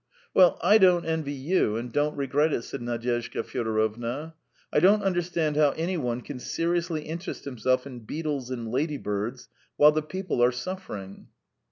"Well, I don't envy you, and don't regret it," said Nadyezhda Fyodorovna. "I don't understand how any one can seriously interest himself in beetles and ladybirds while the people are suffering."